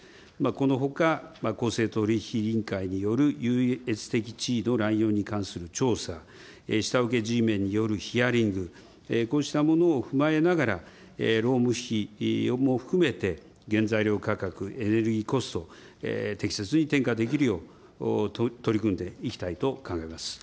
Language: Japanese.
このほか、公正取引委員会による優越的地位の乱用に関する調査、下請けＧメンによるヒアリング、こうしたものを踏まえながら、労務費も含めて、原材料価格、エネルギーコスト、適切に転嫁できるよう、取り組んでいきたいと考えます。